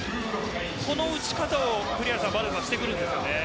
この打ち方をバルガスはしてくるんですかね。